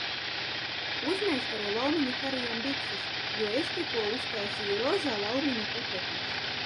Uzmeistaro Laumiņu Harijam bikses, jo, es tikko uztaisīju rozā laumiņu putekļus!